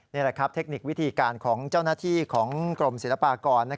นี่แหละครับเทคนิควิธีการของเจ้าหน้าที่ของกรมศิลปากร